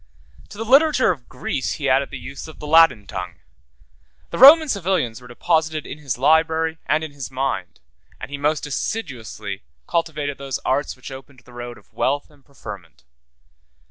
To the literature of Greece he added the use of the Latin tongue; the Roman civilians were deposited in his library and in his mind; and he most assiduously cultivated those arts which opened the road of wealth and preferment.